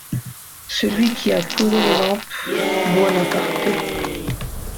Celui qui a couronné l'emp … Buonaparte.